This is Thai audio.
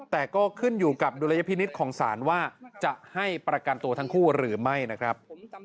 แต่ก็ขึ้นอยู่กับดุลยพินิษฐ์ของศาลว่าจะให้ประกันตัวทั้งคู่หรือไม่นะครับ